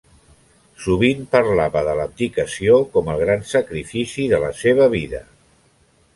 Sovint parlava de l'abdicació com el gran sacrifici de la seva vida.